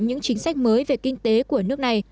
những chính sách mới về kinh tế của nước này